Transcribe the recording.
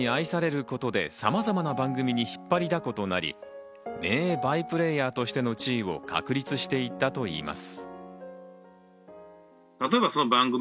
共演者に愛され、さまざまな番組に引っ張りだことなり、名バイプレーヤーとしての地位を確立していったといいます。